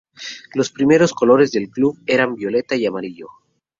Los primeros colores del club eran el violeta y el amarillo.